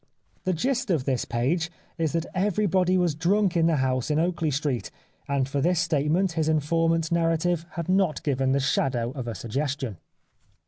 The gist of this page is that everybody was drunk in the house in Oakley Street, and for this statement his informant's 228 The Life of Oscar Wilde narrative had not given the shadow of a sug gestion.